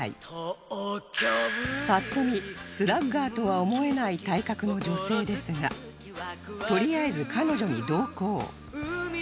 ぱっと見スラッガーとは思えない体格の女性ですがとりあえず彼女に同行